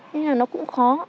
thế là nó cũng khó